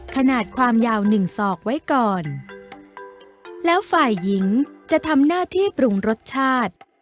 ขนาดความยาวหนึ่งศอกไว้ก่อนแล้วฝ่ายหญิงจะทำหน้าที่ปรุงรสชาติ